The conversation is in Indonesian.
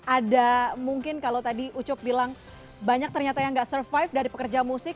ada mungkin kalau tadi ucup bilang banyak ternyata yang gak survive dari pekerja musik